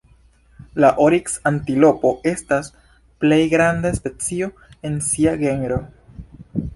La oriks-antilopo estas plej granda specio en sia genro.